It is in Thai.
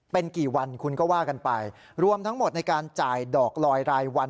เป็นกี่วันคุณก็ว่ากันไปรวมทั้งหมดในการจ่ายดอกลอยรายวัน